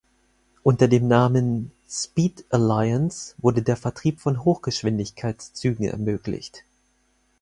Unter dem Namen "speed-alliance" wurde der Vertrieb von Hochgeschwindigkeitszügen ermöglicht.